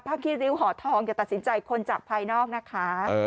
ภาพฯฯฤียวหอทองจะตัดสินใจคนจากภายนอกนะคะ